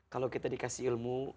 kalau kita dikasih ilmu